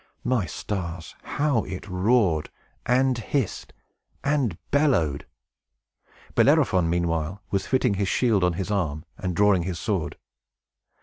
My stars, how it roared, and hissed, and bellowed! Bellerophon, meanwhile, was fitting his shield on his arm, and drawing his sword.